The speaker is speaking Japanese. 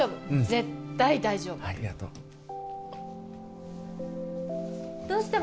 絶対大丈夫ありがとうどうした？